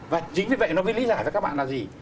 và chính vì vậy nói với lý giải cho các bạn là gì